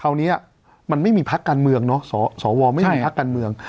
คราวนี้มันไม่มีพักการเมืองเนาะสวไม่มีพักการเมือง